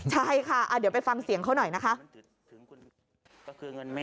ใช่ค่ะเดี๋ยวไปฟังเสียงเขาหน่อยนะคะ